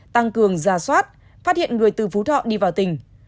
tăng cường ra soát phát hiện người từ phú thọ đi vào tỉnh